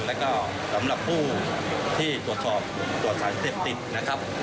แล้วก็สำหรับผู้ที่ตรวจสอบตรวจสารเสพติดนะครับ